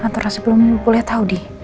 kenapa terasa belum boleh tau di